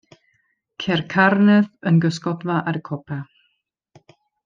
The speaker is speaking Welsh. Ceir carnedd yn gysgodfa ar y copa.